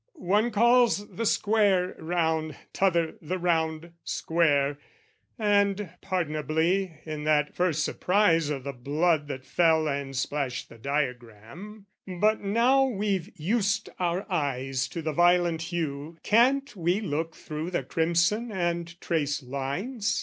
One calls the square round, t'other the round square And pardonably in that first surprise O' the blood that fell and splashed the diagram: But now we've used our eyes to the violent hue Can't we look through the crimson and trace lines?